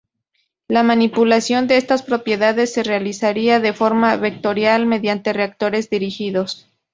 La manipulación de estas propiedades se realizaría de forma vectorial mediante reactores dirigidos.